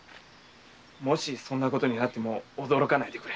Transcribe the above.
もしそんなことになっても驚かないでくれ。